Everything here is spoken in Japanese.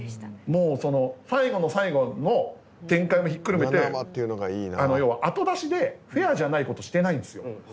もう最後の最後の展開もひっくるめて要は後出しでフェアじゃないことしてないんですよ